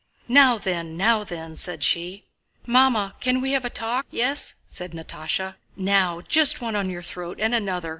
"Now then, now then!" said she. "Mamma, can we have a talk? Yes?" said Natásha. "Now, just one on your throat and another...